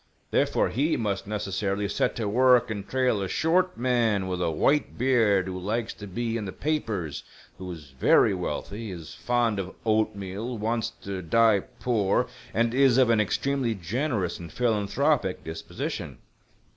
Therefore, he must necessarily set to work and trail a short man with a white beard who likes to be in the papers, who is very wealthy, is fond 'of oatmeal, wants to die poor, and is of an extremely generous and philanthropic disposition.